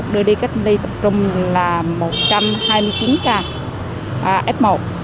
đưa đi cách ly tập trung là một trăm hai mươi chín ca f một